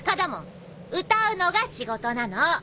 歌うのが仕事なの。